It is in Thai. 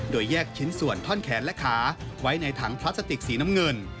โดยแยกชิ้นส่วนท่อนแขนและขาไว้ในถังพลาสติกสีน้ำเงิน